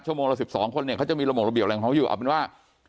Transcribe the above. ชั่วโมงละ๑๒คนเนี่ยเขาจะมีระบบอยู่เอาเป็นว่า